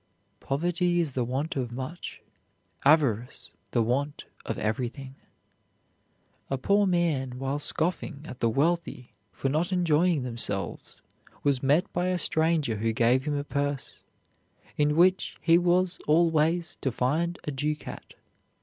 Poverty is the want of much, avarice the want of everything. A poor man while scoffing at the wealthy for not enjoying themselves was met by a stranger who gave him a purse, in which he was always to find a ducat.